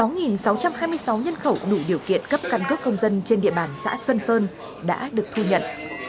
sáu sáu trăm hai mươi sáu nhân khẩu đủ điều kiện cấp căn cước công dân trên địa bàn xã xuân sơn đã được thu nhận